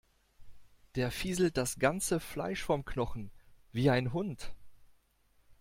Der fieselt das ganze Fleisch vom Knochen, wie ein Hund.